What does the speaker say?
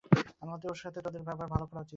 আমার মতে ওর সাথে তোদের ভালো ব্যবহার করা উচিত।